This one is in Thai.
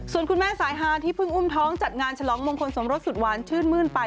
ส่วนคุณแม่สายฮาที่เพิ่งอุ้มท้องจัดงานฉลองมงคลสมรสสุดหวานชื่นมื้นไป